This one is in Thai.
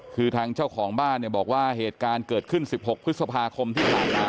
คือทางเจ้าของบ้านเนี่ยบอกว่าเหตุการณ์เกิดขึ้น๑๖พฤษภาคมที่ผ่านมา